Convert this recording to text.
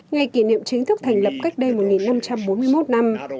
ngày kỷ niệm chính thức thành lập cách đây một năm trăm bốn mươi một năm